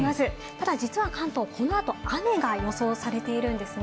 ただ実は関東、この後、雨が予想されているんですね。